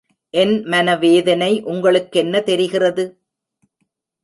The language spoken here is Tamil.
என் மனவேதனை உங்களுக்கென்ன தெரிகிறது?